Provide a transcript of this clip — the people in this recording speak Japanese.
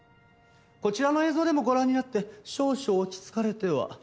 こちらの映像でもご覧になって少々落ち着かれては。